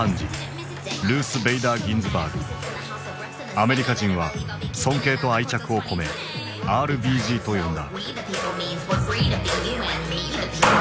アメリカ人は尊敬と愛着を込め「ＲＢＧ」と呼んだ。